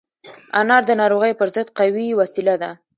انار د ناروغیو پر ضد قوي وسيله ده.